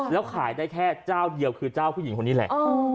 แล้วขายได้แค่เจ้าเดียวคือเจ้าผู้หญิงคนนี้แหละ